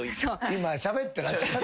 今しゃべってらっしゃる。